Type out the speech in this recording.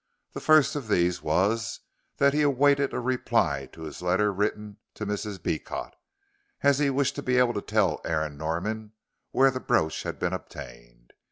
The first of these was that he awaited a reply to his letter written to Mrs. Beecot, as he wished to be able to tell Aaron Norman where the brooch had been obtained.